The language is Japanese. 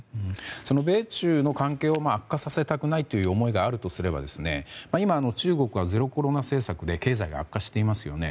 その米中の関係を悪化させたくないという思いがあるとすれば今、中国がゼロコロナ政策で経済が悪化していますよね。